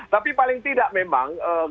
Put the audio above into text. tapi paling tidak memang